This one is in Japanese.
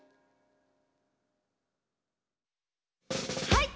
はい！